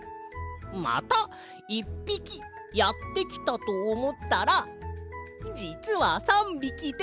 また１ぴきやってきたとおもったらじつは３びきで」。